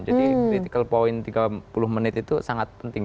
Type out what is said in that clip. jadi critical point tiga puluh menit itu sangat penting